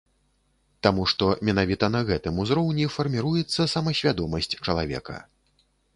Таму што менавіта на гэтым узроўні фарміруецца самасвядомасць чалавека.